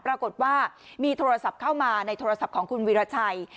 ปรากฏว่ามีโทรศัพท์เข้ามาในโทรศัพท์ของคุณวีรชัย